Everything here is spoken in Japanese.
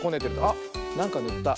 あっなんかぬった。